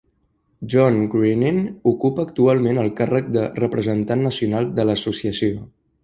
John Greening ocupa actualment el càrrec de representant nacional de l'associació.